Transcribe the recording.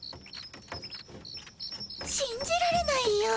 しんじられないよ。